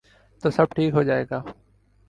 تو سب ٹھیک ہو جائے گا۔